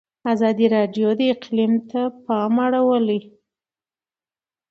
ازادي راډیو د اقلیم ته پام اړولی.